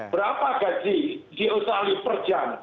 berapa gaji di australia per jam